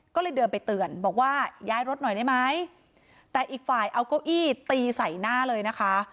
ก็เลยเดินไปเตือนบอกว่าย้ายรถหน่อยได้ไหมแต่อีกฝ่ายเอาเก้าอี้ตีใส่หน้าเลยนะคะ